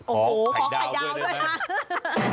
โอ้โหขอไข่ดาวด้วยฮะ